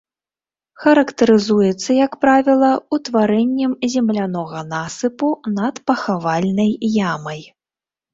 Характарызуецца, як правіла, утварэннем землянога насыпу над пахавальнай ямай.